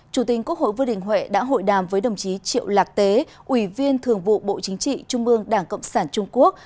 chủ tình quốc hội vương đình huệ đã hội đàm với đồng chí triệu lạc tế ủy viên thường vụ bộ chính trị trung ương đảng cộng sản trung quốc